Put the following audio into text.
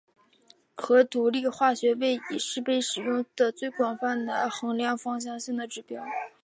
核独立化学位移是被使用得最广泛的衡量芳香性的指标。